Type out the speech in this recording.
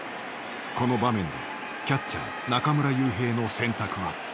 この場面でキャッチャー中村悠平の選択は。